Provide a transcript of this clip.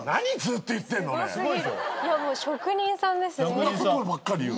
こんなことばっかり言う。